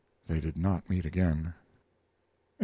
They did not meet again. CCXCI.